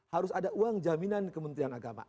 harus ada uang jaminan kementerian agama